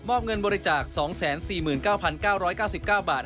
เงินบริจาค๒๔๙๙๙๙บาท